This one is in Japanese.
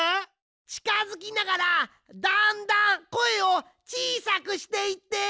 ちかづきながらだんだんこえをちいさくしていって！